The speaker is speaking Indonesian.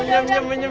diam diam diam